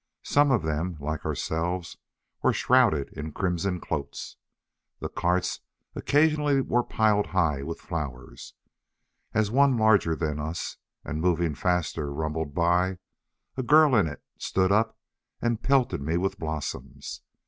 Some of them, like ourselves, were shrouded in crimson cloaks. The carts occasionally were piled with flowers. As one larger than us, and moving faster rumbled by, a girl in it stood up and pelted me with blossoms.